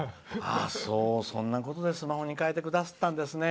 そんなことでスマホにかえてくださったんですね。